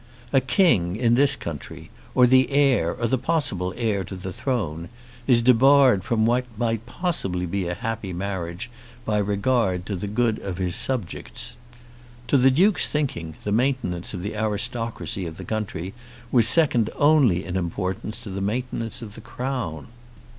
A King in this country, or the heir or the possible heir to the throne, is debarred from what might possibly be a happy marriage by regard to the good of his subjects. To the Duke's thinking the maintenance of the aristocracy of the country was second only in importance to the maintenance of the Crown.